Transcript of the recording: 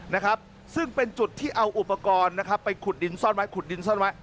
นะครับซึ่งเป็นจุดที่เอาอุปกรณ์นะครับไปขุดดินซ่อนไว้ขุดดินซ่อนไว้